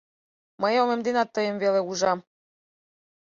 Мый омем денат тыйым веле ужам.